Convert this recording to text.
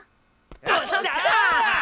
よっしゃー！